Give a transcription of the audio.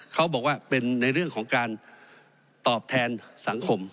เขาบอกว่าเป็นในเรื่องของการตอบแทนสังคม